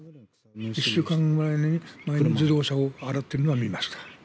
１週間ぐらい前に自動車を洗ってるのは見ました。